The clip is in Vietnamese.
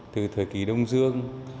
từ thời kỳ đông dương